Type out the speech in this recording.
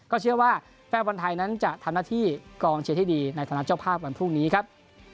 เชื่อว่าแฟนบอลไทยนั้นจะทำหน้าที่กองเชียร์ให้ดีในฐานะเจ้าภาพวันพรุ่งนี้ครับ